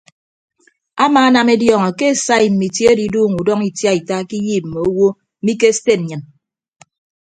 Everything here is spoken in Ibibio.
Amaanam ediọọñọ ke esai mme itie adiduuñọ udọñọ itiaita ke iyiip mme owo mi ke sted nnyịn.